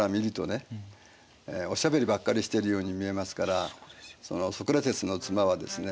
おしゃべりばっかりしているように見えますからソクラテスの妻はですね